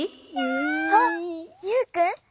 あっユウくん？